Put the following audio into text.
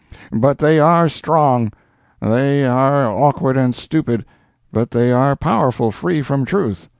But they are strong!—they are awkward and stupid, but they are powerful free from truth!